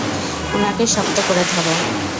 উনাকে শক্ত করে ধরো?